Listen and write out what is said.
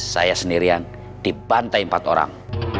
saya sendiri yang dibantai empat orang